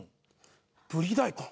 ブリ大根。